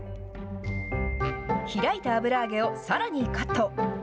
開いた油揚げをさらにカット。